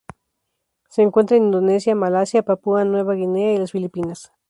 Se encuentra en Indonesia, Malasia, Papua Nueva Guinea y las Filipinas.